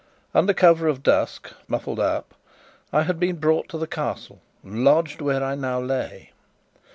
Under cover of dusk, muffled up, I had been brought to the Castle and lodged where I now lay.